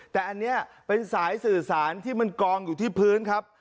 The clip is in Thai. แต่อันนี้เป็นสายสื่อสารที่มันกองอยู่ที่พื้นครับ